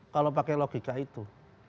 kalau pakai logika itu